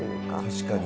確かに。